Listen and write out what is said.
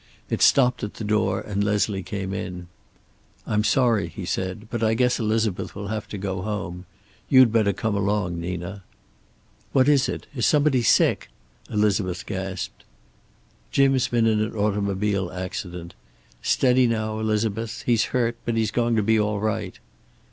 It stopped at the door, and Leslie came in. "I'm sorry," he said, "but I guess Elizabeth will have to go home. You'd better come along, Nina." "What is it? Is somebody sick?" Elizabeth gasped. "Jim's been in an automobile accident. Steady now, Elizabeth! He's hurt, but he's going to be all right."